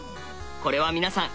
これは皆さん